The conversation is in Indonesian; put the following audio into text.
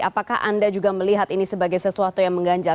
apakah anda juga melihat ini sebagai sesuatu yang mengganjal